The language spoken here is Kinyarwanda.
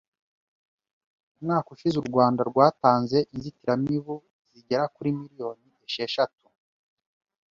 Umwaka ushize, u Rwanda rwatanze inzitiramibu zigera kuri miliyoni esheshatu,